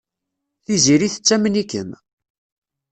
Tiziri tettamen-ikem.